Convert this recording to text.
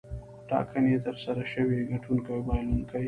ټاکنې ترسره شوې ګټونکی او بایلونکی.